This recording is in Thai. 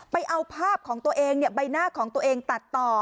ไปเอาภาพของตัวเองใบหน้าของตัวเองตัดต่อ